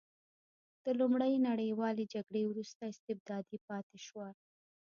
د لومړۍ نړیوالې جګړې وروسته استبدادي پاتې شوه.